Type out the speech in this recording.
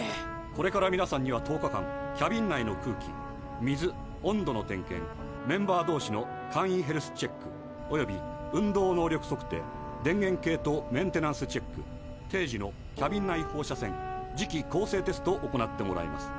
これからみなさんには１０日間キャビン内の空気水温度の点検メンバー同士の簡易ヘルスチェックおよび運動能力測定電源系統メンテナンスチェック定時のキャビン内放射線磁気較正テストを行ってもらいます。